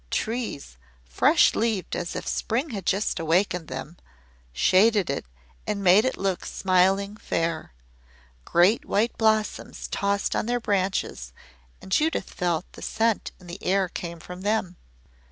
Trees fresh leaved as if spring had just awakened them shaded it and made it look smiling fair. Great white blossoms tossed on their branches and Judith felt that the scent in the air came from them.